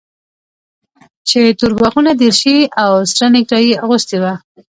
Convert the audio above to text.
چې توربخونه دريشي او سره نيكټايي يې اغوستې وه.